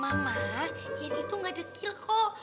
mama ini tuh gak dekil kok